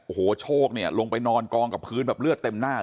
โอ้โหโชคเนี่ยลงไปนอนกองกับพื้นแบบเลือดเต็มหน้าเลย